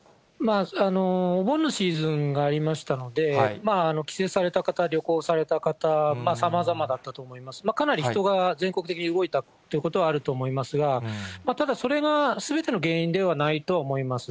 お盆のシーズンがありましたので、帰省された方、旅行された方、さまざまだったと思いますが、かなり人が全国的に動いたってことはあると思いますが、ただそれが、すべての原因ではないとは思います。